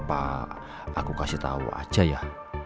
apa aku kasih tau aja ya